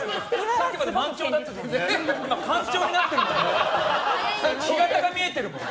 さっきまで満潮だったのに今、干潮になってるもんね。